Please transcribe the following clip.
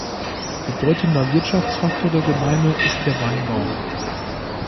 Bedeutender Wirtschaftsfaktor der Gemeinde ist der Weinbau.